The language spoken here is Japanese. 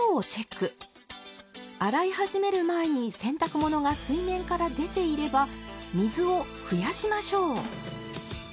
洗い始める前に洗濯物が水面から出ていれば水を増やしましょう。